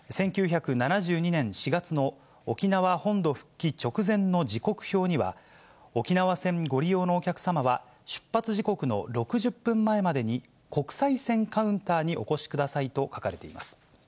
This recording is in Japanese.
１９７２年４月の沖縄本土復帰直前の時刻表には、沖縄線ご利用のお客様は、出発時刻の６０分前までに、国際線カウンターにお越しくださいと書かれています。